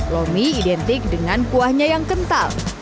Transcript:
lomi identik dengan kuahnya yang kental